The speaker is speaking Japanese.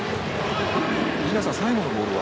最後のボールは？